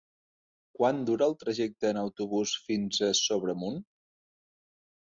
Quant dura el trajecte en autobús fins a Sobremunt?